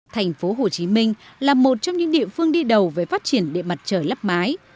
tp hcm là một trong những địa phương đi đầu về phát triển điện mặt trời lắp mái